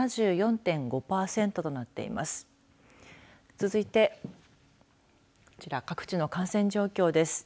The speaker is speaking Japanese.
続いてこちら、各地の感染状況です。